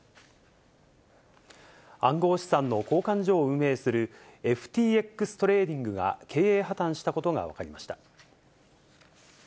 暗号資産の交換所を運営する、ＦＴＸトレーディングが経営破綻したことが分かりました。